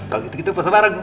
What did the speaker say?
kalau gitu kita pulang bareng